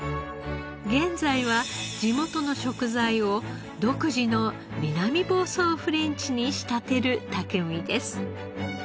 現在は地元の食材を独自の南房総フレンチに仕立てる匠です。